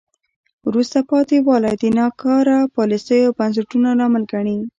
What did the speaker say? وروسته پاتې والی د ناکاره پالیسیو او بنسټونو لامل ګڼي.